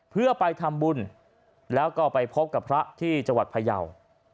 เพื่อไปทำบุญแล้วก็ไปพบกับพระที่จังหวัดพยาว